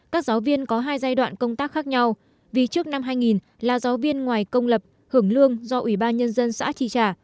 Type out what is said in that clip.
các giáo viên có hai giai đoạn công tác khác nhau vì trước năm hai nghìn là giáo viên ngoài công lập hưởng lương do ủy ban nhân dân xã tri trả